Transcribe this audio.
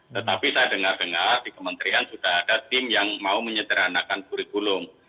tetapi saya dengar dengar di kementerian sudah ada tim yang mau menyederhanakan kurikulum